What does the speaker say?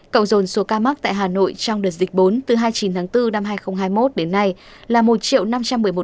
cộng dồn số ca mắc tại hà nội trong đợt dịch bốn từ hai mươi chín tháng bốn năm hai nghìn hai mươi một đến nay là một năm trăm một mươi một tám trăm tám mươi năm ca